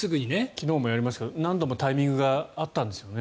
昨日もやりましたが何度もタイミングがあったんですよね。